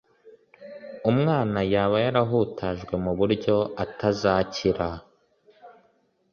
umwana yaba yarahutajwe mu buryo atazakira,